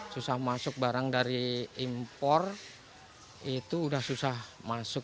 susah masuk barang dari impor itu sudah susah masuk